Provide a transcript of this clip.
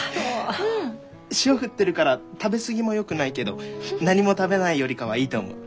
塩振ってるから食べ過ぎもよくないけど何も食べないよりかはいいと思う。